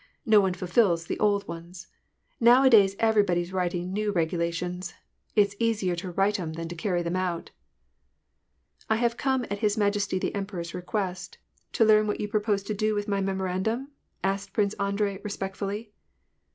No one fulfils the old ones. Nowadays eyery body's writing new regulations : it's easier to write 'em than to carry them out !"" I haye come at his majesty the emperor's request, to learn what you propose to do with my Memorandum ?" asked Prince Andrei respectfully.